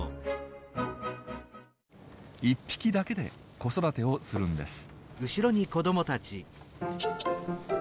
一匹だけで子育てをするんです。